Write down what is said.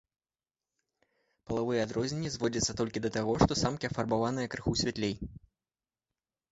Палавыя адрозненні зводзяцца толькі да таго, што самкі афарбаваныя крыху святлей.